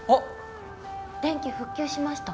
電気復旧しました。